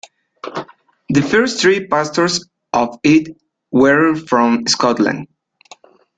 The first three pastors of it were from Scotland.